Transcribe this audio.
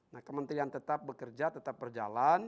nah kementerian tetap bekerja tetap berjalan